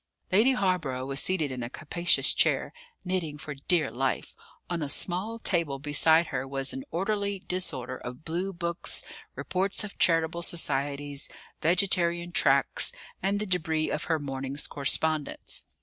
Lady Hawborough was seated in a capacious chair, knitting for dear life; on a small table beside her was an orderly disorder of blue books, reports of charitable societies, vegetarian tracts, and the debris of her morning's correspondence.